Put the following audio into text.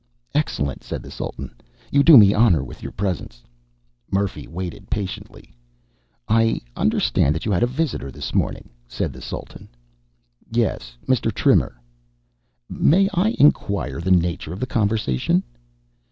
"Excellent," said the Sultan. "You do me honor with your presence." Murphy waited patiently. "I understand that you had a visitor this morning," said the Sultan. "Yes. Mr. Trimmer." "May I inquire the nature of the conversation?"